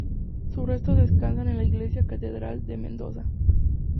Sus restos descansan en la Iglesia Catedral de Mendoza.